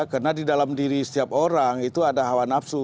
karena di dalam diri setiap orang itu ada hawa nafsu